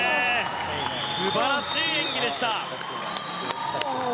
素晴らしい演技でした。